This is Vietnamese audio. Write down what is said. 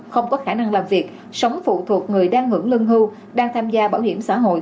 không có khả năng làm việc sống phụ thuộc người đang hưởng lương hưu đang tham gia bảo hiểm xã hội